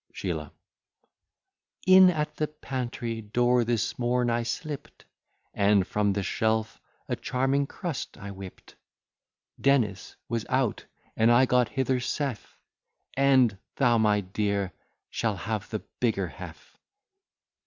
SHEELAH In at the pantry door, this morn I slipt, And from the shelf a charming crust I whipt: Dennis was out, and I got hither safe; And thou, my dear, shall have the bigger half.